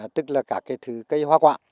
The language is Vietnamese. tức là cả cái thứ cây hoa quạ